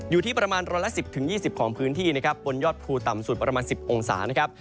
อยู่ที่ประมาณ๑๑๐๒๐ของพื้นที่นะครับบนยอดภูต่ำสุดประมาณ๑๐องศานะครับ